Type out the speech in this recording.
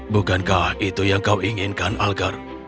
bukankah itu yang kau inginkan algar